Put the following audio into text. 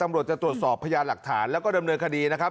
ตำรวจจะตรวจสอบพยานหลักฐานแล้วก็ดำเนินคดีนะครับ